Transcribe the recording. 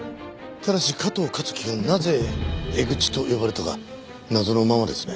ただし加藤香月がなぜエグチと呼ばれたか謎のままですね。